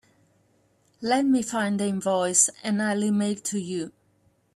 Let me find the invoice and I'll email it to you.